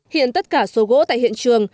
hiện tất cả số gỗ tại hiện trường